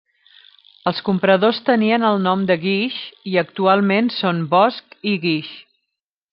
Els compradors tenien el nom de Guix i actualment són Bosch i Guix.